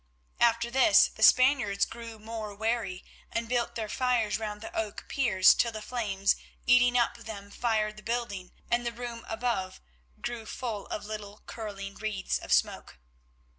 After this the Spaniards grew more wary, and built their fires round the oak piers till the flames eating up them fired the building, and the room above grew full of little curling wreaths of smoke.